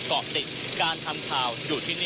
ติดตามการรายงานสดจากคุณทัศนายโค้ดทองค่ะ